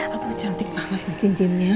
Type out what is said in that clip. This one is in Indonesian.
aduh cantik banget tuh cincinnya